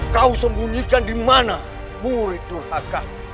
kau sembunyikan dimana murid durhaka